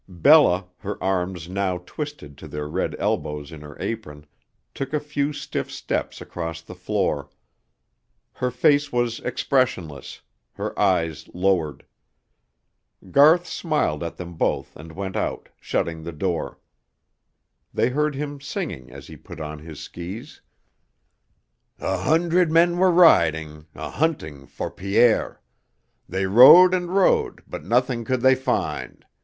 Bella, her arms now twisted to their red elbows in her apron, took a few stiff steps across the floor. Her face was expressionless, her eyes lowered. Garth smiled at them both and went out, shutting the door. They heard him singing as he put on his skis: A hundred men were riding, A hunting for Pierre. They rode and rode, but nothing could they find.